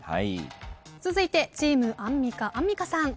続いてチームアンミカアンミカさん。